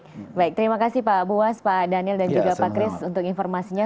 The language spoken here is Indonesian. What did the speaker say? baik terima kasih pak buas pak daniel dan juga pak kris untuk informasinya